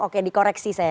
oke dikoreksi saya